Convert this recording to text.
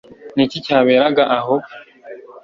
Ni iki cyaberaga aho